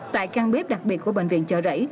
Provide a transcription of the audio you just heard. tại căn bếp đặc biệt của bệnh viện chợ rẫy